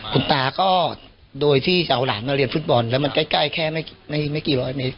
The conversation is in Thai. คุณตาก็โดยที่จะเอาหลานมาเรียนฟุตบอลแล้วมันใกล้แค่ไม่กี่ร้อยเมตร